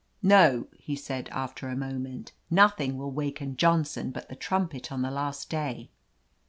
"No," he said, after a moment, "nothing will waken Johnson but the trumpet on the last day."